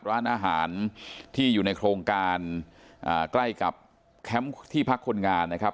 ร้านอาหารที่อยู่ในโครงการใกล้กับแคมป์ที่พักคนงานนะครับ